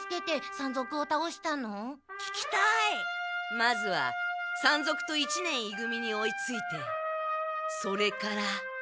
まずは山賊と一年い組に追いついてそれから。